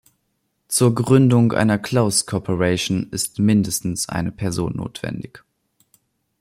Zur Gründung einer Close Corporation ist mindestens eine Person notwendig.